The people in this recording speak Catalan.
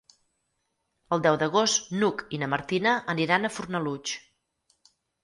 El deu d'agost n'Hug i na Martina aniran a Fornalutx.